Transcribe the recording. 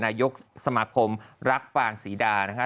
นายกสมาคมรักปางศรีดานะคะ